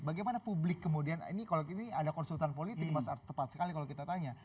bagaimana publik kemudian ini kalau gini ada konsultan politik mas ars tepat sekali kalau kita tanya